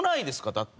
だって。